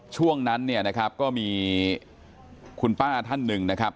ช่วงนั้นเนี่ยนะครับก็มีคุณป้าท่านหนึ่งนะครับ